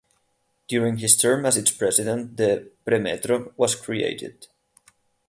During his term as its president the "Premetro" was created.